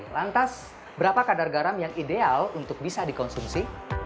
lantas berapa kadar garam yang ideal untuk bisa dikonsumsi